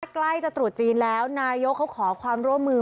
ใกล้กลายจะตรุดจีนแล้วนายโยค์เขาขอความร่วมมือ